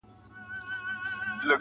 o لكه اوبه چي دېوال ووهي ويده سمه زه.